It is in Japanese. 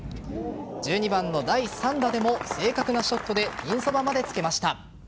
１２番の第３打でも正確なショットでピンそばまでつけました。